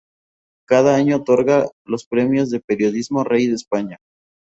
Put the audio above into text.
Cada año otorga los premios de periodismo "Rey de España".